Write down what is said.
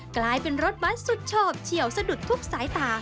กลายเป็นรถบัสสุดชอบเฉียวสะดุดทุกสายตา